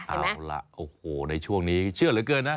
เอาล่ะโอ้โหในช่วงนี้เชื่อเหลือเกินนะ